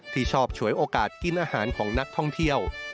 ที่ชอบฉวยโอกาสกินอาหารของนักท่องเที่ยว